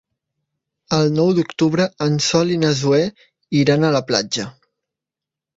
El nou d'octubre en Sol i na Zoè iran a la platja.